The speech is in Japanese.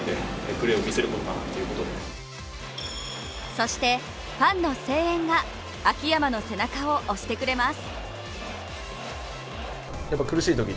そして、ファンの声援が秋山の背中を押してくれます。